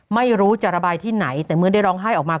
ไม่รู้จะระบายที่ไหนแต่เมื่อได้ร้องไห้ออกมา